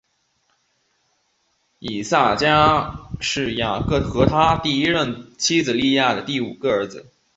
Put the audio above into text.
以萨迦是雅各和他第一任妻子利亚的第五个儿子。